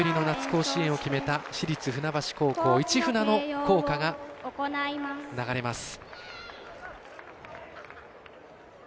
甲子園を決めた市立船橋高校市船の校歌が流れます。